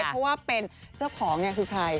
เพราะว่าเป็นเจ้าของเนี่ยคือใคร